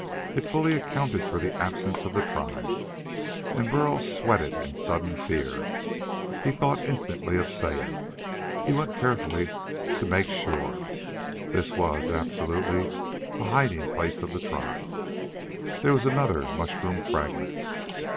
It fully accounted for the absence of the tribe, and Burl sweated in sudden fear. He thought instantly of Saya. He went carefully to make sure. This was, absolutely, the hiding place of the tribe. There was another mushroom fragment.